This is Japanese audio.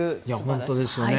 本当ですよね。